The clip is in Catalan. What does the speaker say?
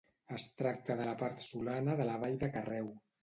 Es tracta de la part solana de la vall de Carreu.